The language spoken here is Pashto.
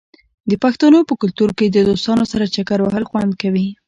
د پښتنو په کلتور کې د دوستانو سره چکر وهل خوند کوي.